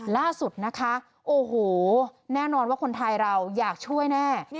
ล่าสุดนะคะโอ้โหแน่นอนว่าคนไทยเราอยากช่วยแน่